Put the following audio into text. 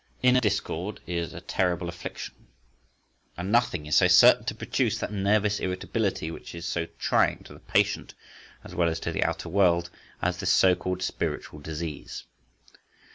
Inner discord is a terrible affliction, and nothing is so certain to produce that nervous irritability which is so trying to the patient as well as to the outer world, as this so called spiritual disease.